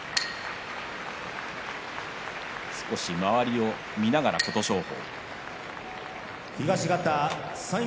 少し周りを見ながら琴勝峰。